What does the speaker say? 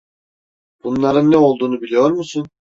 Bunların ne olduğunu biliyor musun?